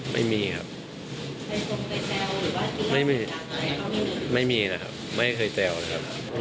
ไม่มีครับไม่มีไม่มีนะครับไม่เคยแซวนะครับ